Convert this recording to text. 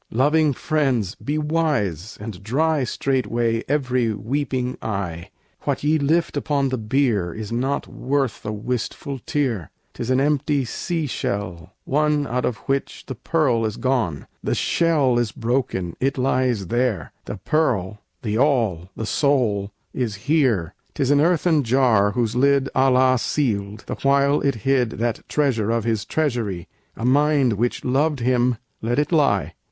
Loving friends! be wise, and dry Straightway every weeping eye: What ye lift upon the bier Is not worth a wistful tear. 'Tis an empty sea shell, one Out of which the pearl is gone. The shell is broken, it lies there; The pearl, the all, the soul, is here. 'Tis an earthen jar whose lid Allah sealed, the while it hid That treasure of His treasury, A mind which loved Him: let it lie!